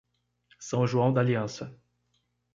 São João d'Aliança